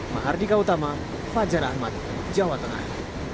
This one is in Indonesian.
mahardika utama fajar ahmad jawa tengah